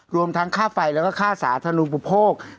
รวมทั้งค่าไฟแล้วก็ค่าสาธารณูปุโภค